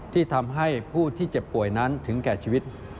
ที่ทำให้ผู้ที่เจ็บป่วยนั้นถึงแก่ชีวิต